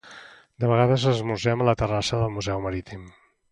De vegades, esmorzem a la terrassa del Museu Marítim.